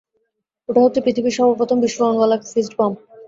ওটা হচ্ছে পৃথিবীর সর্বপ্রথম বিস্ফোরণ-ওয়ালা ফিস্ট বাম্প।